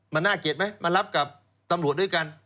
มันน่าเกลียดไหมมารับกับตำรวจด้วยกัน